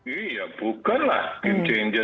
iya bukanlah game changer